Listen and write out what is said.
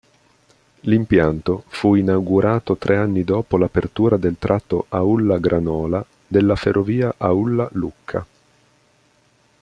L'impianto fu inaugurato tre anni dopo l'apertura del tratto Aulla-Granola della ferrovia Aulla-Lucca.